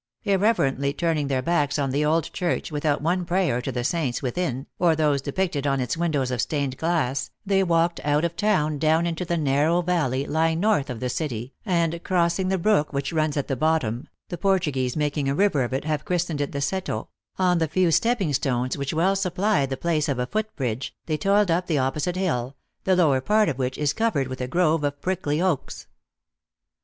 Irreverently THE ACTRESS IN HIGH LIFE. 267 turning their backs on the old church, without one prayer to the saints withhi, or those depicted on its windows of stained glass, they walked out of town down into the narrow valley lying north of the city, and crossing the brook which runs at the bottom (the Portuguese, making a river of it, have christened it the Seto), on the few stepping stones which well sup ply the place af a foot bridge, they toiled up the op posite hill, the lower part of which is covered with a grove of prickly oaks.